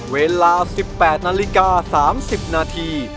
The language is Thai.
เวลา๑๘นาฬิกา๓๐นาที